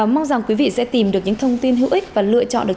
mong rằng quý vị sẽ tìm được những thông tin hữu ích và lựa chọn được